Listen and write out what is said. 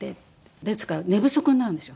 ですから寝不足になるんですよ。